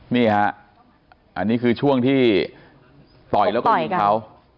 นี่ฮะอันนี้คือช่วงที่ต่อยแล้วก็ยิงเขา